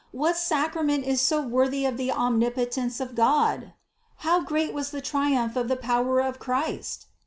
What sacrament is so wor thy of the Omnipotence of God! How great was the triumph of the power of Christ!